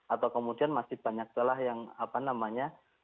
atau kemudian masih banyak telah yang apa namanya